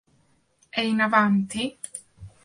È in avanti?